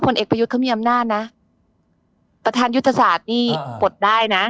เอกประยุทธ์เขามีอำนาจนะประธานยุทธศาสตร์นี่ปลดได้นะ